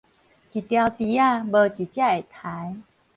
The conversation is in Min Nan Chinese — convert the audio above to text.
一牢豬仔，無一隻會刣